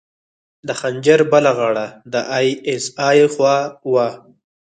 د خنجر بله غاړه د ای اس ای خوا وه.